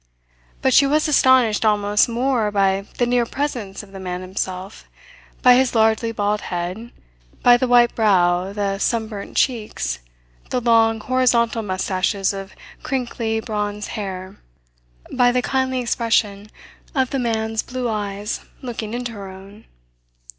But she was astonished almost more by the near presence of the man himself, by his largely bald head, by the white brow, the sunburnt cheeks, the long, horizontal moustaches of crinkly bronze hair, by the kindly expression of the man's blue eyes looking into her own.